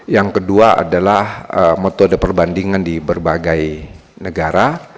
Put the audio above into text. yang kedua adalah metode perbandingan di berbagai negara